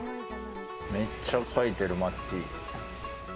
めっちゃ書いてる、マッティー。